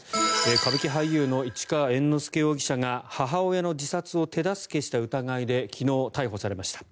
歌舞伎俳優の市川猿之助容疑者が母親の自殺を手助けした疑いで昨日、逮捕されました。